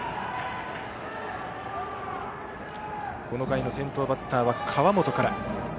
この回の先頭バッターは川元から。